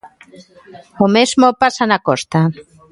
O mesmo pasa na costa.